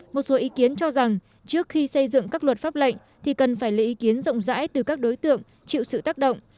một số ý kiến cho rằng trước khi xây dựng các luật pháp lệnh thì cần phải lấy ý kiến rộng rãi từ các đối tượng chịu sự tác động